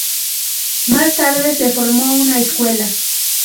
Más tarde se formó una escuela.